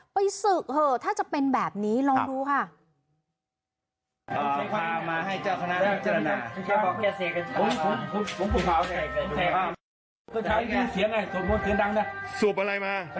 ไปศึกเถอะถ้าจะเป็นแบบนี้ลองดูค่ะ